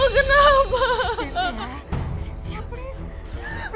kenzo benci sama papa